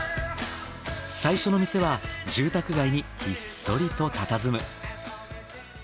最初の店は住宅街にひっそりと佇む。